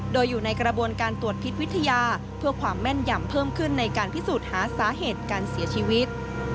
โดยอยู่ในกระบวนการตรวจพิษวิทยาเพื่อความแม่นยำเพิ่มขึ้นในการพิสูจน์หาสาเหตุการเสียชีวิต